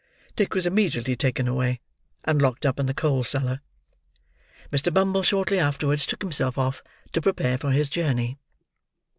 Dick was immediately taken away, and locked up in the coal cellar. Mr. Bumble shortly afterwards took himself off, to prepare for his journey.